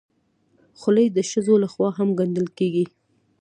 خولۍ د ښځو لخوا هم ګنډل کېږي.